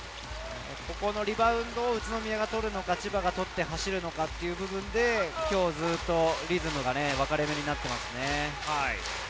ここのリバウンドを宇都宮がとるのか、千葉が取って走るのかという部分で今日リズムのわかれ目になっていますよね。